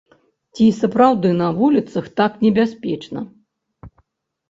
Ці сапраўды на вуліцах так небяспечна?